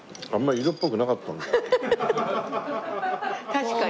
確かに。